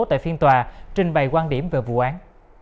tại phiên tòa trình bày quan điểm về vụ án